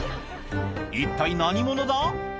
一体何者だ？